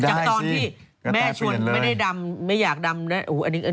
จากตอนที่แม่ชวนไม่ได้ดำไม่อยากดำนะ